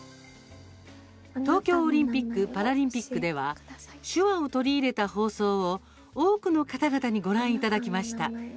東京オリンピック・パラリンピックでは手話を取り入れた放送を多くの方々にご覧いただきました。